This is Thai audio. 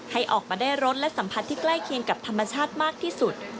ให้ออกมาได้รสและสัมผัสที่ใกล้เคียงกับธรรมชาติมากที่สุด